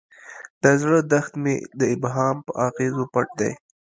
د زړه دښت مې د ابهام په اغزیو پټ دی.